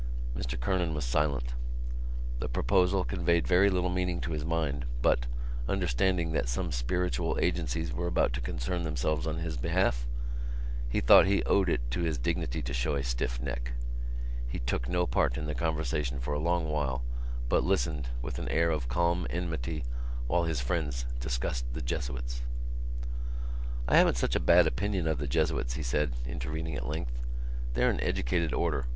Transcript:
Mr Kernan was silent. The proposal conveyed very little meaning to his mind but, understanding that some spiritual agencies were about to concern themselves on his behalf, he thought he owed it to his dignity to show a stiff neck. He took no part in the conversation for a long while but listened, with an air of calm enmity, while his friends discussed the Jesuits. "I haven't such a bad opinion of the Jesuits," he said, intervening at length. "They're an educated order.